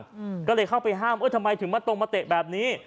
อืมก็เลยเข้าไปห้ามเอ้ยทำไมถึงมาตรงมาเตะแบบนี้